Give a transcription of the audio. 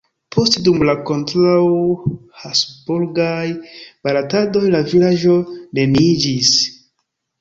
Poste dum la kontraŭ-Habsburgaj bataladoj la vilaĝo neniiĝis.